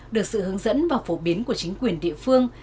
được sự hướng dẫn và phổ biến của chính quyền địa phương